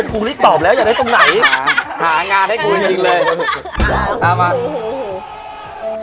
สามารถ